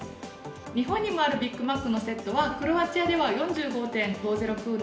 日本にもあるビッグマックのセットはクロアチアでは４５．５０クーナ。